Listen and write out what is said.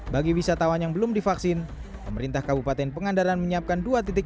bagi wisatawan yang belum divaksin pemerintah kabupaten pangandaran menyiapkan dua titik